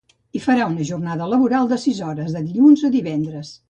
Hi farà una jornada laboral de sis hores de dilluns a divendres.